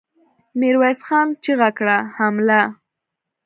ميرويس خان چيغه کړه! حمله!